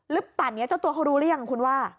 ป่านนี้เจ้าตัวเขารู้หรือยังคุณว่า